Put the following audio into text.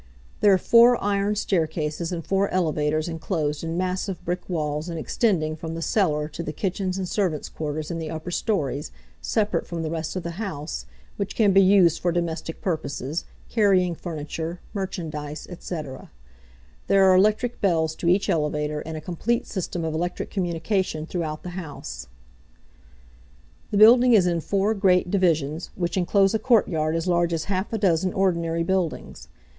There are four iron staircases and four elevators inclosed in massive brick walls and extending from the cellar to the kitchens and servants' quarters in the upper stories, separate from the rest of the house, which can be used for domestic purposes, carrying furniture, merchandise, &c. There are electric bells to each elevator, and a complete system of electric communication throughout the house. The building is in four great divisions, which inclose a courtyard as large as half a dozen ordinary buildings.